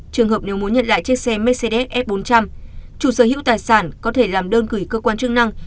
trường hợp nếu muốn nhận lại chiếc xe mercedes f bốn trăm linh chủ sở hữu tài sản có thể làm đơn gửi cơ quan chức năng